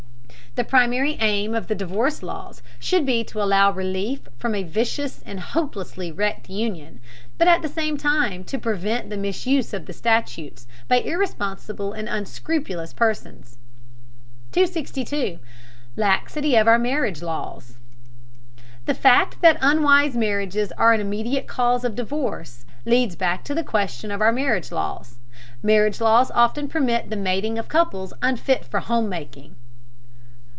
The primary aim of the divorce laws should be to allow relief from a vicious and hopelessly wrecked union, but at the same time to prevent the misuse of the statutes by irresponsible and unscrupulous persons. 272. LAXITY OF OUR MARRIAGE LAWS. The fact that unwise marriages are an immediate cause of divorce leads back to the question of our marriage laws. Marriage laws often permit the mating of couples unfit for home making.